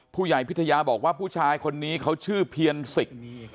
ผู้ใหญ่พิทยาบอกว่าผู้ชายคนนี้เขาชื่อเพียรสิก